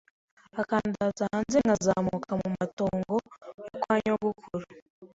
akandaza hanze nkazamuka nkajya mu matongo yo kwa nyogokuru